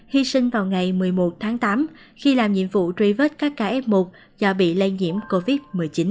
hy sinh vào ngày một mươi một tháng tám khi làm nhiệm vụ truy vết các ca f một do bị lây nhiễm covid một mươi chín